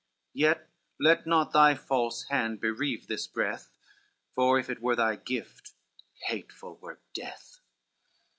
Yet let not thy false hand bereave this breath, For if it were thy gift, hateful were death.